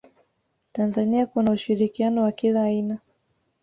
tanzania kuna ushirikiano wa kila aina